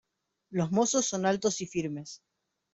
Los mozos son altos y firmes.